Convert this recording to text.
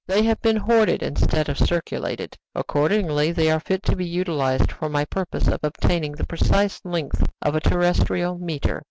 They have been hoarded instead of circulated; accordingly, they are fit to be utilized for my purpose of obtaining the precise length of a terrestrial meter."